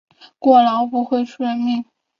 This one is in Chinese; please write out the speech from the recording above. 过劳不会出人命